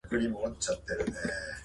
ゆうすけの父親は童貞